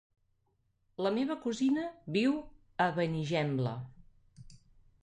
La meva cosina viu a Benigembla.